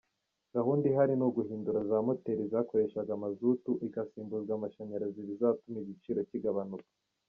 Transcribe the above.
Gahunda ihari ni uguhindura za moteri zakoreshaga mazutu igasimbuzwa amashanyarazi bizatuma igiciro kigabanuka.